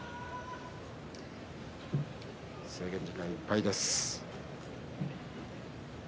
制限時間いっぱいです。